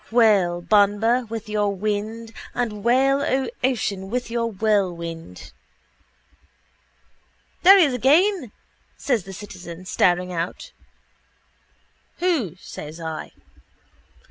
Wail, Banba, with your wind: and wail, O ocean, with your whirlwind. —There he is again, says the citizen, staring out. —Who? says I.